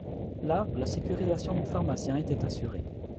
Là, la sécurisation du pharmacien était assurée.